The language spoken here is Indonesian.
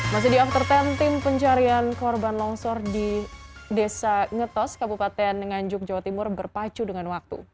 masih di after sepuluh tim pencarian korban longsor di desa ngetos kabupaten nganjuk jawa timur berpacu dengan waktu